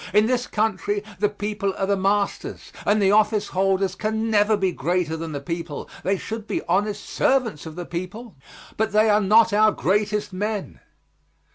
In this country the people are the masters, and the office holders can never be greater than the people; they should be honest servants of the people, but they are not our greatest men.